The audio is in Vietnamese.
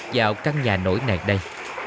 vào căn nhà nỗi này đây